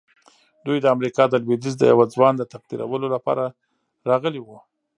دوی د امريکا د لويديځ د يوه ځوان د تقديرولو لپاره راغلي وو.